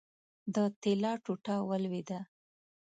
د طلا ټوټه ولوېده.